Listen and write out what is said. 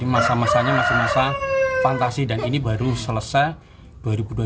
masa masanya masa masa fantasi dan ini baru selesai